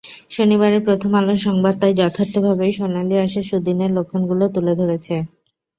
শনিবারের প্রথম আলোর সংবাদ তাই যথার্থভাবেই সোনালি আঁশের সুদিনের লক্ষণগুলো তুলে ধরেছে।